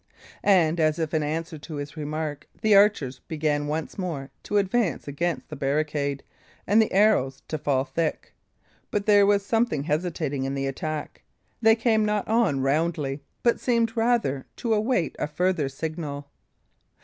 And, as if in answer to his remark, the archers began once more to advance against the barricade, and the arrows to fall thick. But there was something hesitating in the attack. They came not on roundly, but seemed rather to await a further signal.